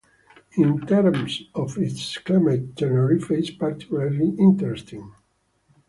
In terms of its climate Tenerife is particularly interesting.